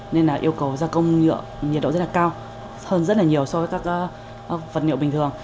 nên là yêu cầu gia công nhựa nhiệt độ rất là cao hơn rất là nhiều so với các vật liệu bình thường